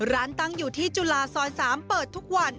ร้านตั้งอยู่ที่จุฬาซอย๓เปิดทุกวัน